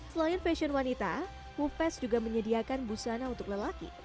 selain fashion wanita mufest juga menyediakan busana untuk lelaki